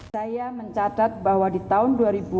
saya mencatat bahwa di tahun dua ribu enam belas